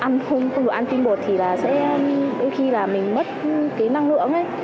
nhưng mà không được ăn tinh bột thì đôi khi mình mất năng lượng